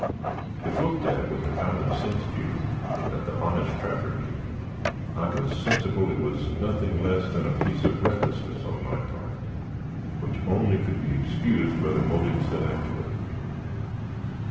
If looked at with the common sense view that the honest trapper gave it, I was sensible it was nothing less than a piece of recklessness upon my part, which only could be excused by the motives that actuated me.